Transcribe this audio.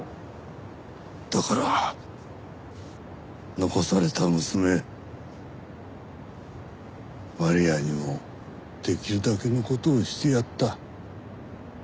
だから残された娘マリアにもできるだけの事をしてやった。